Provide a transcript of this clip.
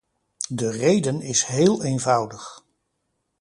De reden is heel eenvoudig.